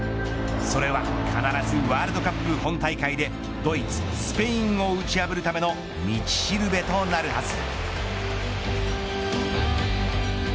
それは必ずワールドカップ本大会でドイツ、スペインを打ち破るための道しるべとなるはず。